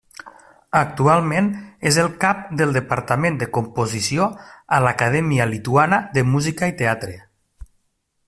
Actualment és el cap del departament de composició a l'Acadèmia Lituana de Música i Teatre.